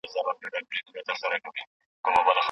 املا د ذهني وړتیا د ازمویلو یوه ښه وسیله ده.